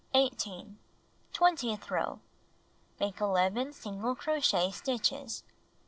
Twentieth row: Make 11 single crochet stitches.